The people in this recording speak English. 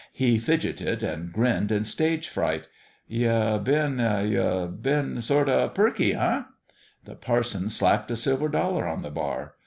He fidgeted and grinned in stage fright. " Ye been ye been sort o' perky, eh?" The parson slapped a silver dollar on the bar.